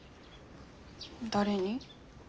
誰に？